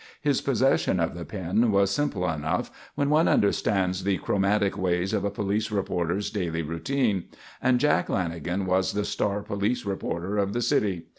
His possession of the pin was simple enough when one understands the chromatic ways of a police reporter's daily routine: and Jack Lanagan was the "star" police reporter of the city.